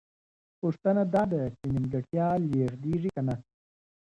پوښتنه دا ده چې نیمګړتیا لېږدېږي که نه؟